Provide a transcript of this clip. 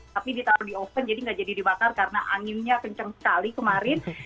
tapi ditaruh di oven jadi nggak jadi dibakar karena anginnya kenceng sekali kemarin